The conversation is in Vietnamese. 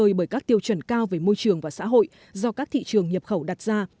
để không bị loại cuộc chơi bởi các tiêu chuẩn cao về môi trường và xã hội do các thị trường nhập khẩu đặt ra